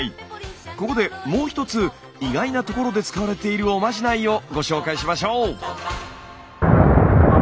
ここでもう一つ意外なところで使われているおまじないをご紹介しましょう。